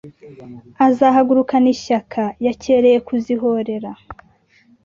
Azahagurukana ishyaka yakereye kuzihorera,